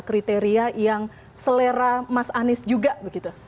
kriteria yang selera mas anies juga begitu